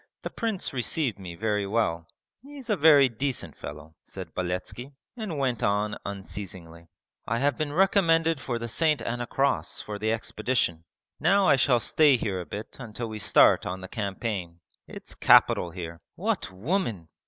The prince received me very well; he is a very decent fellow,' said Beletski, and went on unceasingly. 'I have been recommended for the St. Anna Cross for the expedition. Now I shall stay here a bit until we start on the campaign. It's capital here. What women!